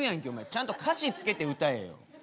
ちゃんと歌詞つけて歌えよ。